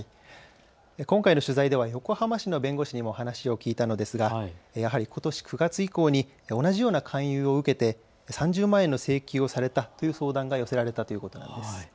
今回の取材では横浜市の弁護士にお話を聞いたのですがやはりことし９月以降に同じような勧誘を受けて３０万円の請求をされたという相談が寄せられたということです。